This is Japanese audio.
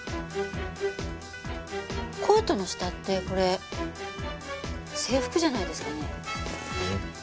コートの下ってこれ制服じゃないですかね？